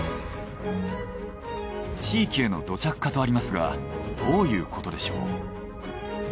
「地域への土着化」とありますがどういうことでしょう？